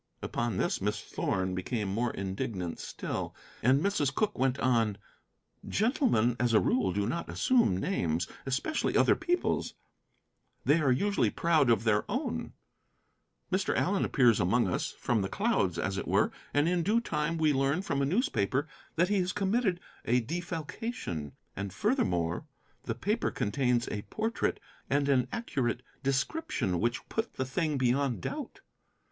Upon this Miss Thorn became more indignant still, and Mrs. Cooke went on "Gentlemen, as a rule, do not assume names, especially other people's. They are usually proud of their own. Mr. Allen appears among us, from the clouds, as it were, and in due time we learn from a newspaper that he has committed a defalcation. And, furthermore, the paper contains a portrait and an accurate description which put the thing beyond doubt.